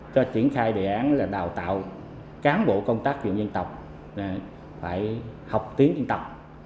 cho triển khai đề án là đào tạo cán bộ công tác dân tộc phải học tiếng dân tộc